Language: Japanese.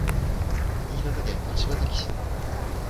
新潟県柏崎市